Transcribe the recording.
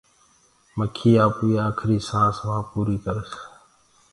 مَکيٚ آپوئيٚ آکريٚ سآنٚس وهآنٚ پوريٚ ڪرس